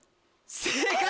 正解！